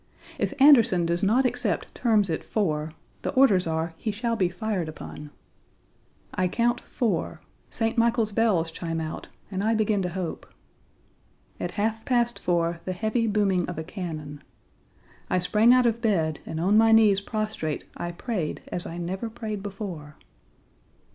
If Anderson does not accept terms at four, the orders are, he shall be fired upon. I count four, St. Michael's bells chime out and I begin to hope. At half past four the heavy booming of a cannon. I sprang out of bed, and on my knees prostrate I prayed as I never prayed before.